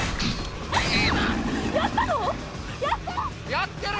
やったの？